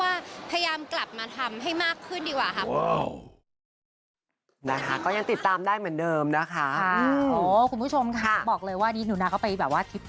ว่าพยายามกลับมาทำให้มากขึ้นดีกว่าครับ